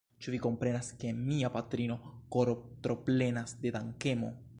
Ĉu vi komprenas ke mia patrino koro troplenas de dankemo?